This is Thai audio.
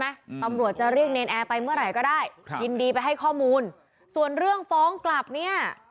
อืมตำรวจจะเรียกเนรนแอร์ไปเมื่อไหร่ก็ได้ครับยินดีไปให้ข้อมูลส่วนเรื่องฟ้องกลับเนี้ย